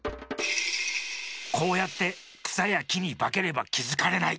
こうやってくさやきにばければきづかれない。